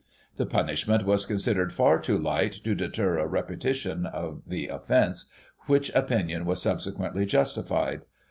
The punishment was considered far too light to deter a repetition of the offence, which opinion was subse quently justified.